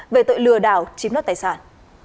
về tội lừa đảo chiếm đất tài sản